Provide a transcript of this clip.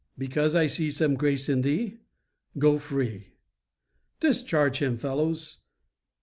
Because I see some grace in thee, go free. Discharge him, fellows.